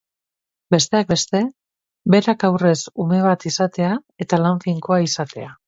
Besteak beste, berak aurrez ume bat izatea eta lan finkoa izatea.